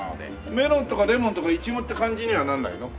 メロンとかレモンとかイチゴって感じにはなんないの？